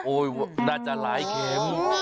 น่าจะหลายเข็ม